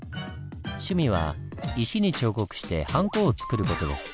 趣味は石に彫刻してハンコを作る事です。